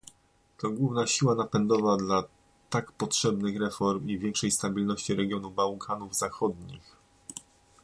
To główna siła napędowa dla tak potrzebnych reform i większej stabilności regionu Bałkanów Zachodnich